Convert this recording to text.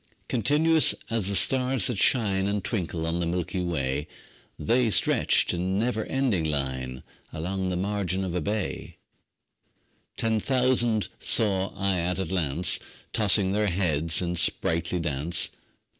Continuous as the stars that shine And twinkle on the milky way, The stretched in never ending line Along the margin of a bay: Ten thousand saw I at a glance, Tossing their heads in sprightly dance.